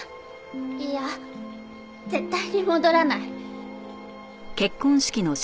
嫌絶対に戻らない。